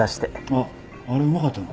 あっあれうまかったな。